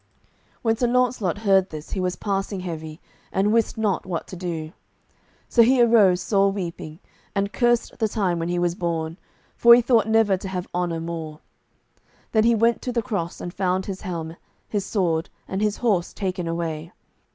When Sir Launcelot heard this he was passing heavy, and wist not what to do. So he arose, sore weeping, and cursed the time when he was born, for he thought never to have honour more. Then he went to the cross, and found his helm, his sword, and his horse taken away.